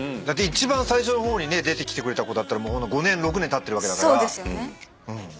だって一番最初の方に出てきてくれた子だったら５年６年たってるわけだから。